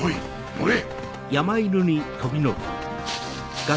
乗れ！